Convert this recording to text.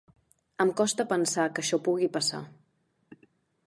Em costa pensar que això pugui passar.